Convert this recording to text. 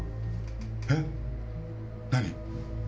えっ何？